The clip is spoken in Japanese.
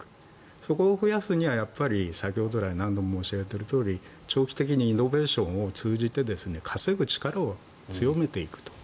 そこを増やすには、先ほど来何度も申し上げているとおり長期的にイノベーションを通じて稼ぐ力を強めていくと。